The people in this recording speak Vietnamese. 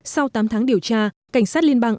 sau tám tháng điều tra cảnh sát liên bang